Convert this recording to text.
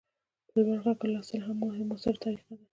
په لوړ غږ لوستل هم یوه مؤثره طریقه ده.